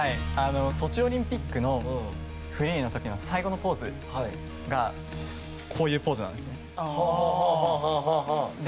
ソチオリンピックのフリーの時の最後のポーズがこういうポーズなんです。